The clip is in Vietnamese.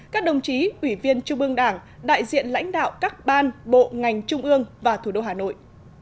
các đồng chí ủy viên trung ương đảng đại diện lãnh đạo các ban bộ ngành trung ương và thủ đô hà nội